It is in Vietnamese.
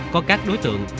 có các đối tượng